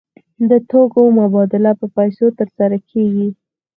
د توکو مبادله په پیسو ترسره کیږي.